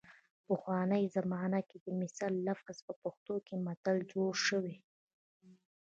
پخوانۍ زمانه کې د مثل لفظ نه په پښتو کې متل جوړ شوی